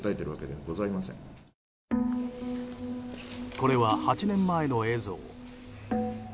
これは８年前の映像。